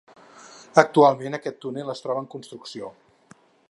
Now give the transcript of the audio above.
Actualment aquest túnel es troba en construcció.